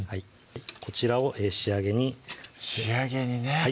こちらを仕上げに仕上げにね